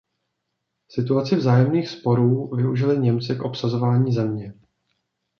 Situaci vzájemných sporů využili Němci k obsazování země.